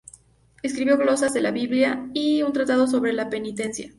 Escribió glosas de la Biblia y un tratado sobre la Penitencia.